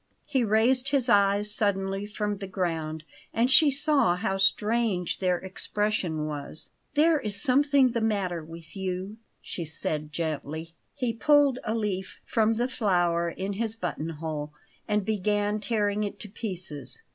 He raised his eyes suddenly from the ground, and she saw how strange their expression was. "There is something the matter with you," she said gently. He pulled a leaf from the flower in his button hole, and began tearing it to pieces.